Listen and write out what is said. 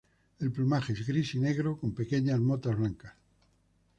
El plumaje es gris y negro, con pequeñas motas blancas.